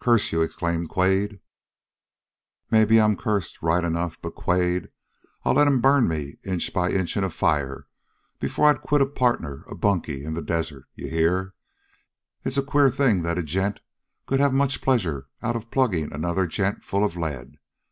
"Curse you!" exclaimed Quade. "Maybe I'm cursed, right enough, but, Quade, I'd let 'em burn me, inch by inch in a fire, before I'd quit a partner, a bunkie in the desert! You hear? It's a queer thing that a gent could have much pleasure out of plugging another gent full of lead.